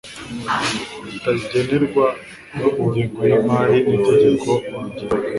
bitagenerwa ingengo y imari n itegeko urugero